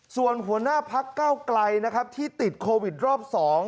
ส่วนหัวหน้าพัก๙ไกลที่ติดโควิดรอบ๒